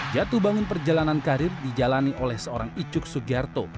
jatuh bangun perjalanan karir dijalani oleh seorang icuk sugiarto